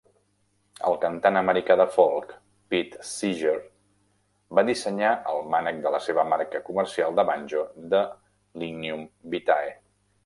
El cantant americà de folk Pete Seeger va dissenyar el mànec de la seva marca comercial de banjo de lignum vitae.